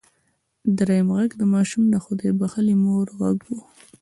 دريم غږ د ماشوم د خدای بښلې مور غږ و.